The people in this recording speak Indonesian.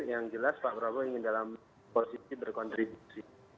yang jelas pak prabowo ingin dalam posisi berkontribusi